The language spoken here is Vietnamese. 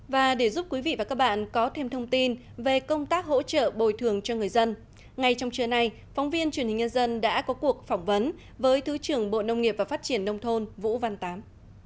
và để giúp quý vị và các bạn có thêm thông tin về công tác hỗ trợ bồi thường cho người dân ngay trong trưa nay phóng viên truyền hình nhân dân đã có cuộc phỏng vấn với thứ trưởng bộ nông nghiệp và phát triển nông thôn vũ văn tám